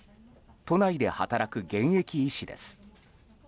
都内で働く現役医師です。